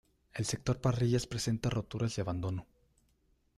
El sector parrillas presenta roturas y abandono.